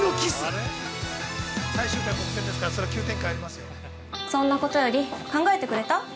◆そんなことより、考えてくれた？